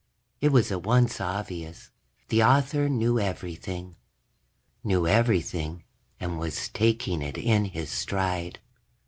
It was at once obvious the author knew everything. Knew everything and was taking it in his stride.